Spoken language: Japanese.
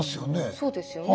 そうですよね。